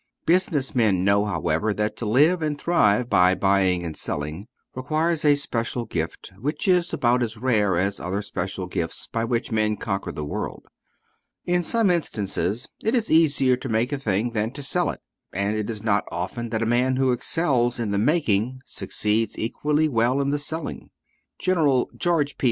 Business men know, however, that to live and thrive by buying and selling requires a special gift, which is about as rare as other special gifts by which men conquer the world. In some instances, it is easier to make a thing than to sell it, and it is not often that a man who excels in the making succeeds equally well in the selling. General George P.